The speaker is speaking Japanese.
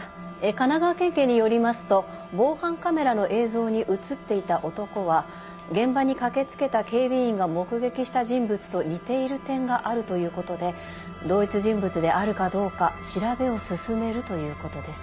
神奈川県警によりますと防犯カメラの映像に写っていた男は現場に駆け付けた警備員が目撃した人物と似ている点があるということで同一人物であるかどうか調べを進めるということです。